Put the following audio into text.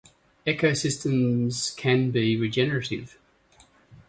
Ecosystems can be regenerative.